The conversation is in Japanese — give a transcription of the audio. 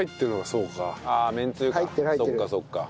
そっかそっか。